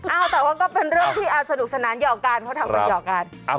เอ้าแต่ว่าก็เป็นเรื่องที่อ่านสนุกสนานเหยียวการเพราะทำขนเหยียวการ